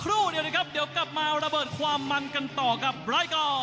ครู่เดียวนะครับเดี๋ยวกลับมาระเบิดความมันกันต่อกับรายการ